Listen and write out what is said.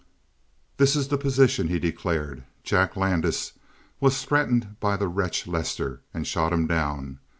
"This is the position," he declared. "Jack Landis was threatened by the wretch Lester, and shot him down.